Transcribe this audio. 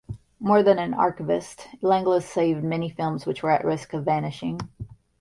More than an archivist, Langlois saved many films which were at risk of vanishing.